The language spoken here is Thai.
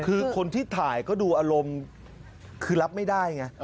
คือคนที่ถ่ายก็ดูอารมณ์คือรับไม่ได้ไง